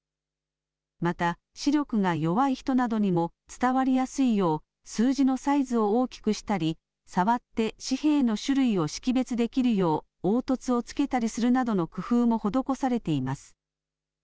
また、視力が弱い人などにも伝わりやすいよう、数字のサイズを大きくしたり、触って紙幣の種類を識別できるよう凹凸をつけたりするなどの工夫も施されています。